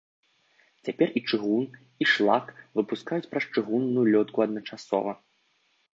Цяпер і чыгун, і шлак выпускаюць праз чыгунную лётку адначасова.